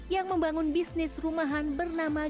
yang membangun bisnis rumahan bernama